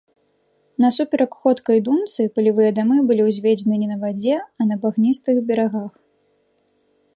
Насуперак ходкай думцы, палевыя дамы былі ўзведзены не на вадзе, а на багністых берагах.